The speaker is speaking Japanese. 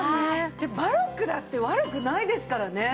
でもバロックだって悪くないですからね。